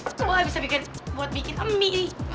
ini udah bisa buat bikin emi